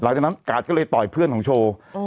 หลังจากนั้นกาดก็เลยต่อยเพื่อนของโชว์อืม